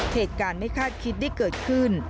เหตุการณ์ไม่คาดคิดได้เกิดขึ้น